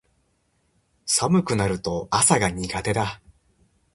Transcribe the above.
寒くなると朝が苦手だ